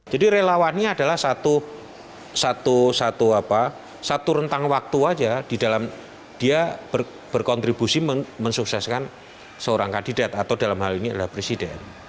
jadi relawannya adalah satu rentang waktu saja di dalam dia berkontribusi mensukseskan seorang kandidat atau dalam hal ini adalah presiden